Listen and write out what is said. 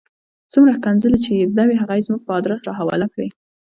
څومره ښکنځلې چې یې زده وې هغه یې زموږ په آدرس را حواله کړې.